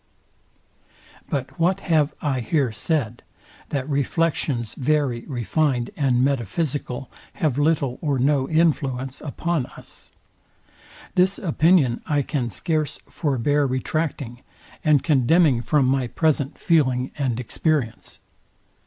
Sect. 1. But what have I here said, that reflections very refined and metaphysical have little or no influence upon us? This opinion I can scarce forbear retracting, and condemning from my present feeling and experience.